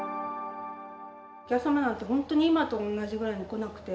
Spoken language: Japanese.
お客様は本当に今と同じぐらい来なくて。